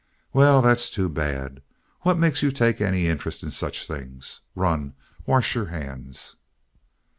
"Well, that's too bad. What makes you take any interest in such things? Run, wash your hands."